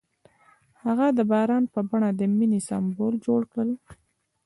هغه د باران په بڼه د مینې سمبول جوړ کړ.